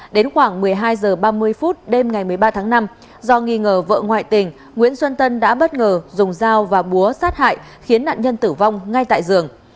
đến khoảng một mươi hai h ba mươi phút đêm ngày một mươi ba tháng năm do nghi ngờ vợ ngoại tình nguyễn xuân tân đã bất ngờ dùng dao và búa sát hại khiến nạn nhân tử vong ngay tại giường